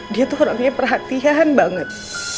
dia tuh orangnya perhatian banget